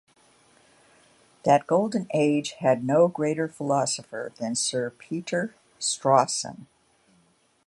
That golden age had no greater philosopher than Sir Peter Strawson.